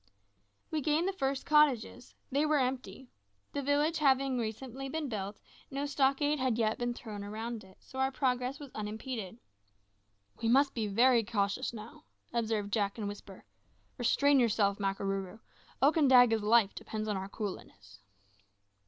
We gained the first cottages they were empty. The village having been recently built, no stockade had yet been thrown round it, so our progress was unimpeded. "We must be very cautious now," observed Jack in a whisper. "Restrain yourself, Makarooroo; Okandaga's life depends on our coolness."